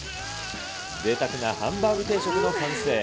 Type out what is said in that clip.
ぜいたくなハンバーグ定食の完成。